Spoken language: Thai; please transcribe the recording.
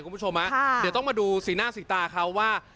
คุณผู้ชมเดี๋ยวต้องมาดูสีหน้าสีตาเขาว่า